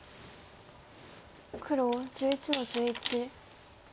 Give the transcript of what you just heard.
黒１１の十一。